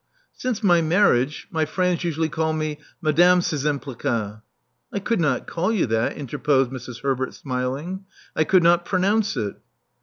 "Since my marriage, my friends usually call me Madame Szczympliga " "I could not call you that," interposed Mrs, Herbert, smiling. "I could not pronounce it."